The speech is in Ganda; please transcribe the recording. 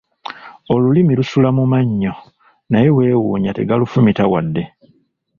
Olulimi lusula mu mannyo naye weewuunye tegalufumita wadde.